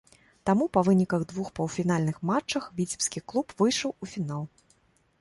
Таму па выніках двух паўфінальных матчах віцебскі клуб выйшаў у фінал.